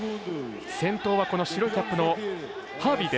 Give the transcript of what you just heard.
先頭は白いキャップのハービー。